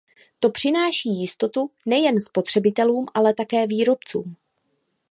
To přináší jistotu nejen spotřebitelům, ale také výrobcům.